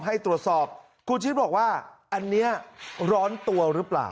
ให้ตรวจสอบคุณชิดบอกว่าอันนี้ร้อนตัวหรือเปล่า